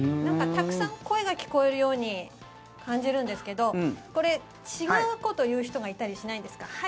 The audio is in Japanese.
たくさん声が聞こえるように感じるんですがこれ、違うことを言う人がいたりしないんですか？